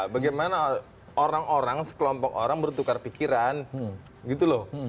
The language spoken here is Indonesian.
bagaimana orang orang sekelompok orang bertukar pikiran gitu loh